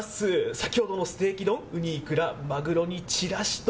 先ほどのステーキ丼、イクラ、マグロにちらし丼。